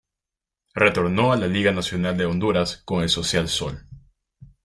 Retornó a la Liga Nacional de Honduras con el Social Sol.